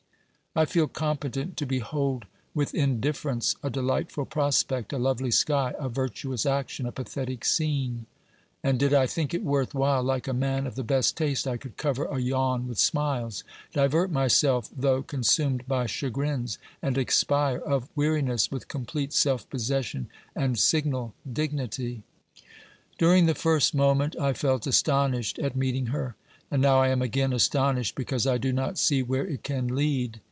I feel competent to be hold with indifference a deUghtful prospect, a lovely sky, a virtuous action, a pathetic scene ; and did I think it worth while, like a man of the best taste, I could cover a yawn with smiles, divert myself though consumed by chagrins, and expire of weariness with complete self possession and signal dignity. During the first moment I felt astonished at meeting her, and now I am again astonished because I do not see where it can lead.